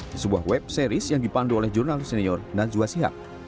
di sebuah web series yang dipandu oleh jurnal senior dan zua sihak